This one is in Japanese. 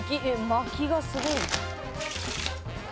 まきがすごい。